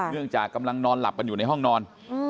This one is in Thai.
เนื่องจากกำลังนอนหลับกันอยู่ในห้องนอน